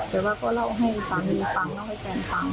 แต่ว่าก็เล่าให้สามีฟังเล่าให้แฟนฟัง